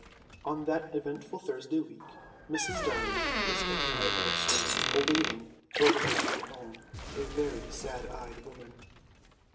On that eventful Thursday week, Mrs. Darling was in the night nursery awaiting George's return home; a very sad eyed woman.